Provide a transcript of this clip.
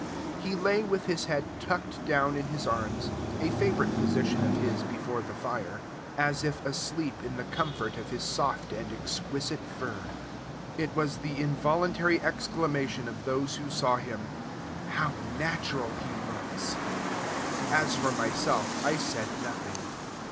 He lay with his head tucked down in his arms, a favorite position of his before the fire, as if asleep in the comfort of his soft and exquisite fur. It was the involuntary exclamation of those who saw him, "How natural he looks!" As for myself, I said nothing.